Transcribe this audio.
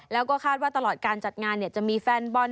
แล้วก็คาดว่าตลอดการจัดงานจะมีแฟนบอล